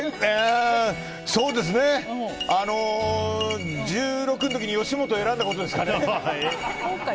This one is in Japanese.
そうですね１６の時に吉本を選んだことですかね。